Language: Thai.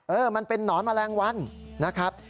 มันเป็นหนอนแมลงวันนะครับ